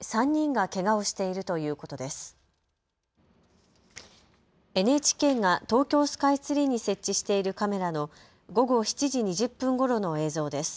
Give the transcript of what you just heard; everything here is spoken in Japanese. ＮＨＫが東京スカイツリーに設置しているカメラの午後７時２０分ごろの映像です。